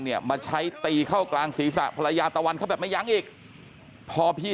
เนี่ยมาใช้ตีเข้ากลางศีรษะภรรยาตะวันเขาแบบไม่ยั้งอีกพอพี่